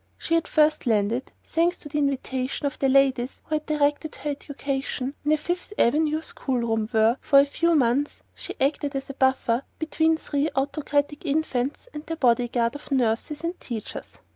She had first landed thanks to the intervention of the ladies who had directed her education in a Fifth Avenue school room where, for a few months, she acted as a buffer between three autocratic infants and their bodyguard of nurses and teachers.